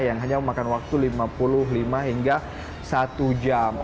yang hanya memakan waktu lima puluh lima hingga satu jam